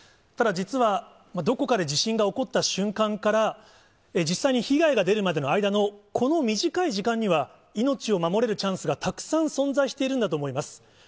ただ、実はどこかで地震が起こった瞬間から、実際に被害が出るまでの間のこの短い時間には、命を守れるチャンスがたくさん存在しているんだと思います。